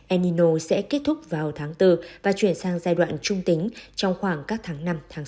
enino sẽ kết thúc vào tháng bốn và chuyển sang giai đoạn trung tính trong khoảng các tháng năm tháng bốn